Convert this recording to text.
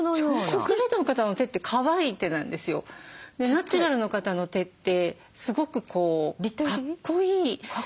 ナチュラルの方の手ってすごくかっこいい。